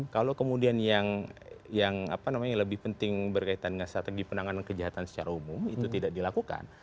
kalau kemudian yang lebih penting berkaitan dengan strategi penanganan kejahatan secara umum itu tidak dilakukan